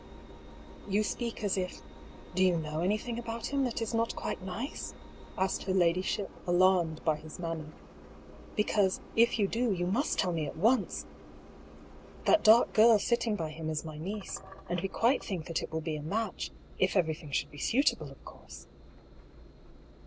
" You speak as if — do you know anything about him that is not quite nice ?" asked her ladyship, alarmed by his manner. " Because, if you do, you must tell me at once ! That dark girl sitting by him is my niece, and we quite think that if will be a match — if everything should be suitable, of course."